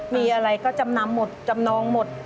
มีอะไรก็จำนำหมดจำนองหมด